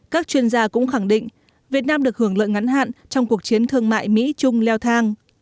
các chuyên gia cũng khẳng định việt nam được hưởng lợi ngắn hạn trong cuộc chiến thương mại mỹ trung leo thang